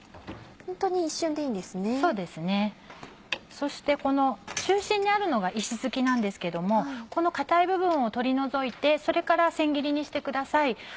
そしてこの中心にあるのが石づきなんですけどもこの硬い部分を取り除いてそれから千切りにしてください。